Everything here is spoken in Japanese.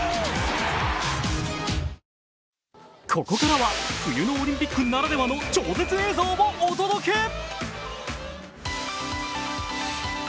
ここからは冬のオリンピックならではの超絶映像をお届け。